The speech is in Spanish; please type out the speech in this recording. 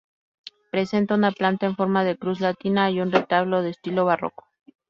Presenta una planta en forma de cruz latina y un retablo de estilo barroco.